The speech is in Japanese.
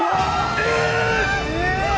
え！！